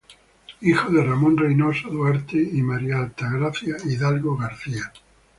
Hijo de Ramón Reynoso Duarte y María Altagracia Hidalgo García.